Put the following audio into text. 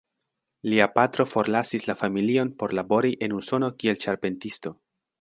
Lia patro forlasis la familion por labori en Usono kiel ĉarpentisto.